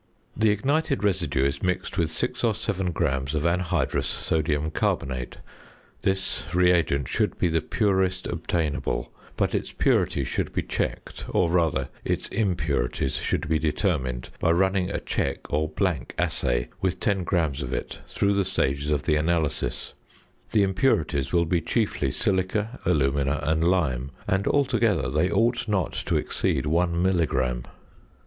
The ignited residue is mixed with 6 or 7 grams of anhydrous sodium carbonate. This reagent should be the purest obtainable, but its purity should be checked, or rather its impurities should be determined by running a "check" or "blank" assay with 10 grams of it through the stages of the analysis; the impurities will be chiefly silica, alumina and lime, and altogether they ought not to exceed 1 milligram.